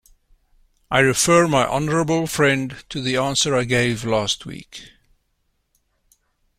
I refer my honourable friend to the answer I gave last week.